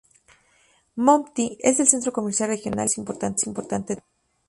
Mopti es el centro comercial regional y puerto más importante de Malí.